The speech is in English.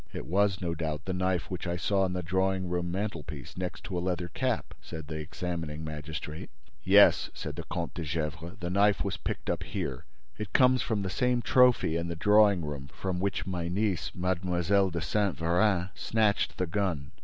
"It was, no doubt, the knife which I saw on the drawing room mantelpiece, next to a leather cap?" said the examining magistrate. "Yes," said the Comte de Gesvres, "the knife was picked up here. It comes from the same trophy in the drawing room from which my niece, Mlle. de Saint Véran, snatched the gun.